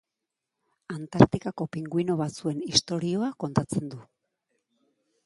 Antartikako pinguino batzuen istorioa kontatzen du.